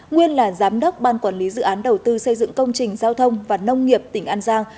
nguyên là giám đốc ban quản lý dự án đầu tư xây dựng công trình giao thông và nông nghiệp tỉnh an giang